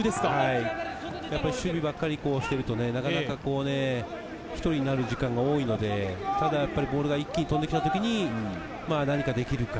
守備ばかりしていると１人になる時間が多いので、ただボールが一気に飛んできた時に何ができるか。